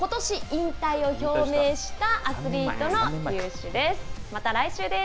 ことし引退を表明したアスリートの雄姿です。